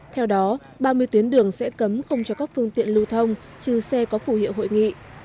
theo đó ba mươi tuyến đường sẽ cấm không cho các phương tiện lưu thông trừ xe có phủ hiệu hội nghị